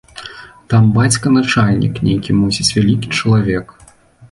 Там бацька начальнік, нейкі, мусіць, вялікі чалавек.